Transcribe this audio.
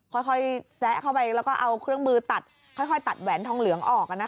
ค่อยค่อยแซะเข้าไปแล้วก็เอาเครื่องมือตัดค่อยค่อยตัดแหวนทองเหลืองออกอ่ะนะคะ